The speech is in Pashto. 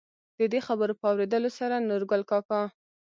د دې خبرو په اورېدلو سره نورګل کاکا،